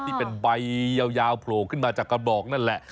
ที่เป็นใบยาวโผล่ขึ้นมาจากกระบอกนั่นแหละ